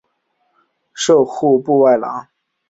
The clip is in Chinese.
授户部员外郎。